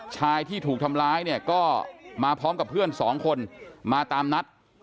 ชายที่ถูกทำร้ายเนี่ยก็มาพร้อมกับเพื่อนสองคนมาตามนัด